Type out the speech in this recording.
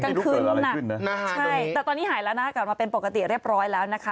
กลางคืนน้ำหนักขึ้นนะใช่แต่ตอนนี้หายแล้วนะกลับมาเป็นปกติเรียบร้อยแล้วนะคะ